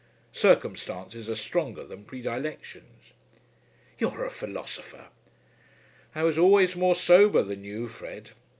Circumstances are stronger than predilections." "You're a philosopher." "I was always more sober than you, Fred."